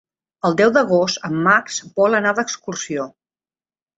El deu d'agost en Max vol anar d'excursió.